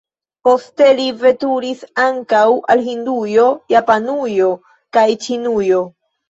Poste li veturis ankaŭ al Hindujo, Japanujo kaj Ĉinujo.